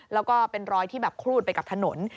แล้วก็เป็นรอยที่แบบครูดไปกับถนน